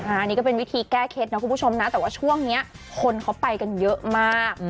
อันนี้ก็เป็นวิธีแก้เคล็ดนะคุณผู้ชมนะแต่ว่าช่วงนี้คนเขาไปกันเยอะมาก